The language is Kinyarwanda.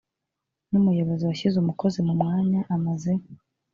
n umuyobozi washyize umukozi mu mwanya amaze